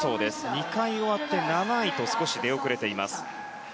２回終わって７位と少し出遅れています。